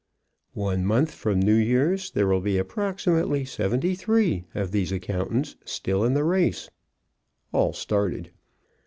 One month from New Year's there will be approximately seventy three of these accountants still in the race (all started).